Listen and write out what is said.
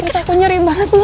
ini takut nyeri banget loh